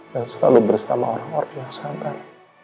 dan selalu bersama orang orang yang sabar